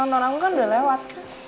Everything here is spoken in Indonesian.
nonton aku kan udah lewat